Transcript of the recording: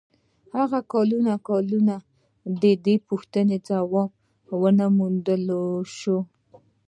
هغه کلونه کلونه د دې پوښتنې ځواب و نه موندلای شو.